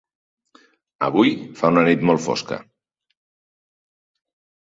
Avui fa una nit molt fosca.